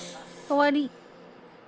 終わり。